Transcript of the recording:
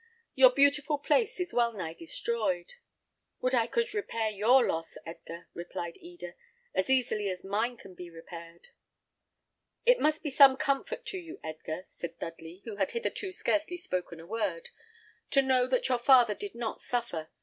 "Your beautiful place is well nigh destroyed." "Would I could repair your loss, Edgar," replied Eda, "as easily as mine can be repaired." "It must be some comfort to you, Edgar," said Dudley, who had hitherto scarcely spoken a word, "to know that your father did not suffer.